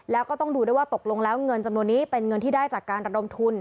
แล้วก็ต้องดูด้วยว่าตกลงแล้วเงินจำนวนนี้เป็นเงินที่ได้จากการระดมทุน